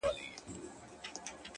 فکر روښانه وي، ژوند روښانه وي.